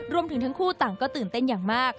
รวมถึงทั้งคู่ต่างก็ตื่นเต้นอย่างมาก